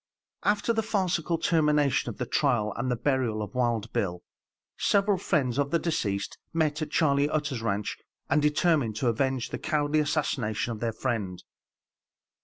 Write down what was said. After the farcical termination of the trial, and the burial of Wild Bill, several friends of the deceased met at Charley Utter's ranche and determined to avenge the cowardly assassination of their friend.